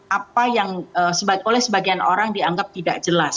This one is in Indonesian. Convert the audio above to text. apa yang oleh sebagian orang dianggap tidak jelas